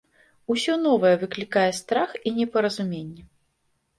Усё новае выклікае страх і непаразуменне.